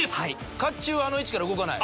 甲冑はあの位置から動かない？